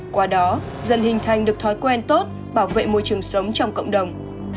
qua đó dần hình thành được thói quen tốt bảo vệ môi trường sống trong cộng đồng